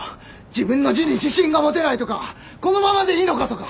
自分の字に自信が持てないとかこのままでいいのかとか。